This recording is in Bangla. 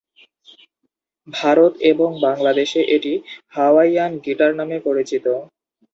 ভারত এবং বাংলাদেশে এটি হাওয়াইয়ান গিটার নামে পরিচিত।